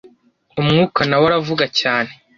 Umwuka na we aravuga cyane